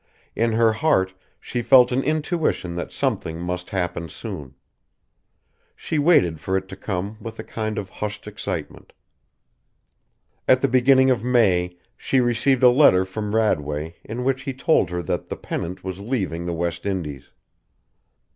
In her heart she felt an intuition that something must happen soon. She waited for it to come with a kind of hushed excitement. At the beginning of May she received a letter from Radway in which he told her that the Pennant was leaving the West Indies.